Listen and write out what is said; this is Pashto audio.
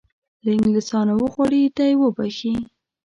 له انګلیسیانو وغواړي دی وبخښي.